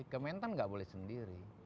kementan nggak boleh sendiri